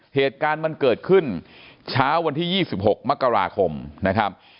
เหตุการณ์มันเกิดขึ้นเช้าวันที่๒๖มกราคมนะครับ